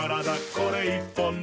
これ１本で」